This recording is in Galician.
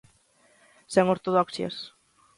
Sen ortodoxias.